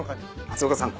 松岡さん